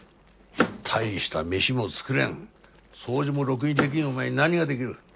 大した飯も作れん掃除もろくにできんお前に何ができる？